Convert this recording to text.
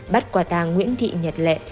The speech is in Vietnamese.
bắt quả tàng nguyễn thị nhật lệ